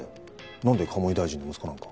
何で鴨井大臣の息子なんか。